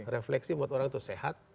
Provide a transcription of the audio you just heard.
refleksi buat orang itu sehat